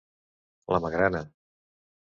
La Magrana.